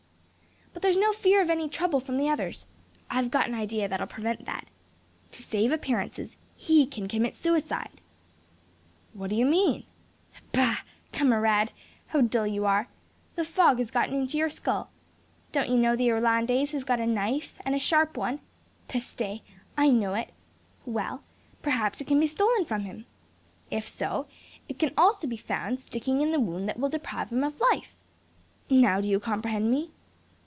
"But there's no fear of any trouble from the others. I've got an idea that'll prevent that. To save appearances, he can commit suicide." "What do you mean?" "Bah! camarade! how dull you are. The fog has got into your skull. Don't you know the Irlandais has got a knife, and a sharp one. Peste! I know it. Well, perhaps it can be stolen from him. If so, it can also be found sticking in the wound that will deprive him of life. Now do you comprehend me?"